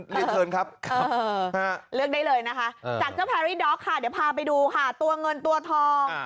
เลือกได้เลยนะคะจากเจ้าพาริด๊อกค่ะเดี๋ยวพาไปดูค่ะตัวเงินตัวทอง